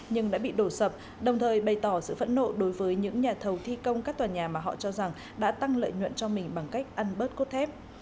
nhưng đã bị đổ sập đồng thời bày tỏ sự phẫn nộ đối với những nhà thầu thi công các tòa nhà mà họ cho rằng đã tăng lợi nhuận cho mình bằng cách ăn bớt cốt thép